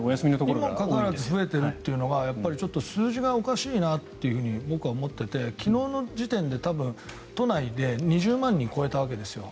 にもかかわらず増えているというのは数字がおかしいなと僕は思っていて昨日の時点で都内で２０万人を超えたわけですよね。